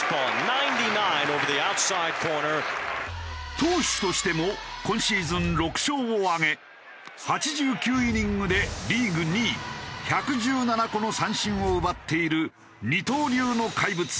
投手としても今シーズン６勝を挙げ８９イニングでリーグ２位１１７個の三振を奪っている。